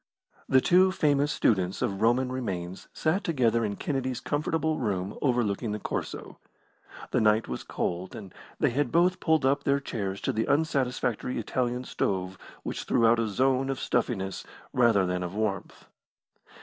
The two famous students of Roman remains sat together in Kennedy's comfortable room overlooking the Corso. The night was cold, and they had both pulled up their chairs to the unsatisfactory Italian stove which threw out a zone of stuffiness rather than of warmth.